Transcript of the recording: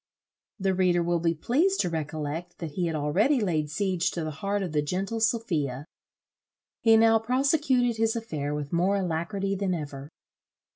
The reader will be pleased to recollect, that he had already laid siege to the heart of the gentle Sophia. He now prosecuted his affair with more alacrity than ever.